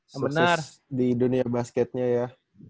semoga sukses di dunia basketnya ya